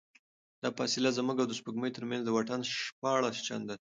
دا فاصله زموږ او د سپوږمۍ ترمنځ د واټن شپاړس چنده ده.